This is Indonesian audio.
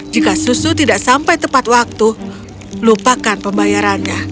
jika susu tidak sampai tepat waktu lupakan pembayarannya